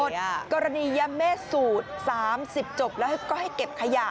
กรณียะเมฆสูตร๓๐จบแล้วก็ให้เก็บขยะ